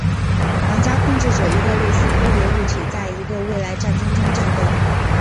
玩家控制着一个类似飞碟的物体在一个未来战场中战斗。